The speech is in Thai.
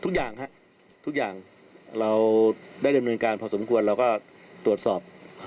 ทุกอย่างฮะทุกอย่างเราได้ดำเนินการพอสมควรเราก็ตรวจสอบ